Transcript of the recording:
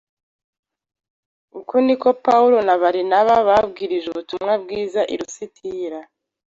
Uko ni ko Pawulo na Barinaba babwirije ubutumwa bwiza i Lusitira